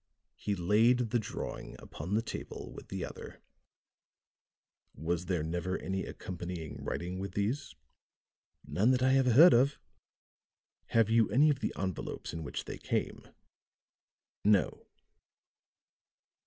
He laid the drawing upon the table with the other. "Was there never any accompanying writing with these?" "None that I ever heard of." "Have you any of the envelopes in which they came?" "No."